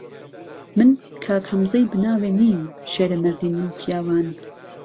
من کاک هەمزهی بناوێ نیم شێرهمهردی نێو پیاوان